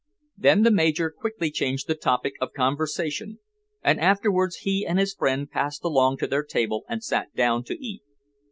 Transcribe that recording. Then the Major quickly changed the topic of conversation, and afterwards he and his friend passed along to their table and sat down to eat.